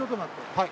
はい。